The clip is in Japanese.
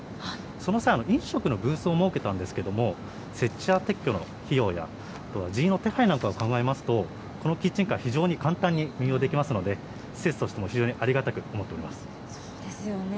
その際、飲食のブースを設けたんですけれども、設置や撤去の費用や、あとは人員の手配なんかを考えますと、このキッチンカー、非常に簡単に利用できますので、施設としても非常にありがたく思そうですよね。